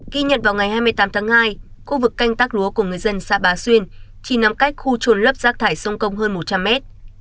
ghi nhận vào ngày hai mươi tám tháng hai khu vực canh tác lúa của người dân xã bá xuyên chỉ nằm cách khu trồn lấp rác thải sông công hơn một trăm linh mét